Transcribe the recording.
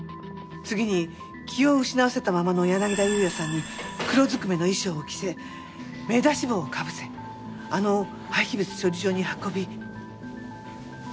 次に気を失わせたままの柳田裕也さんに黒ずくめの衣装を着せ目出し帽をかぶせあの廃棄物処理場に運び。